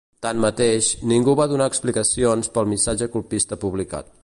Tanmateix, ningú va donar explicacions pel missatge colpista publicat.